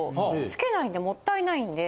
つけないんでもったいないんで。